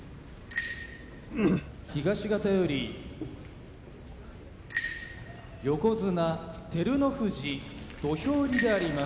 東方より横綱照ノ富士土俵入りであります。